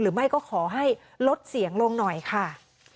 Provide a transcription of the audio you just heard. หรือไม่ก็ขอให้ลดเสียงลงหน่อยค่ะ